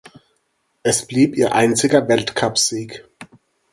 Es blieb ihr einziger Weltcup-Sieg.